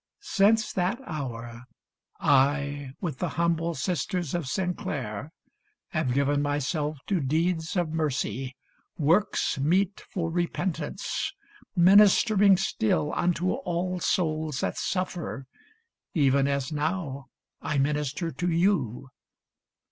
Since that hour I with the humble sisters of St. Clare Have given myself to deeds of mercy, works A MATER DOLOROSA 469 Meet for repentance, ministering still Unto all souls that suffer, even as now I minister to you.